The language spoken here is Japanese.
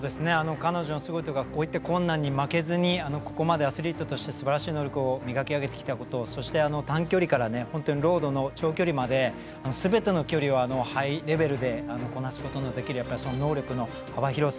彼女のすごいところはこういった困難に負けずにここまでアスリートとしてすばらしい能力を磨き上げてきたそして、短距離から本当にロードの長距離まで、すべての距離をハイレベルでこなすことのできるその能力の幅広さ。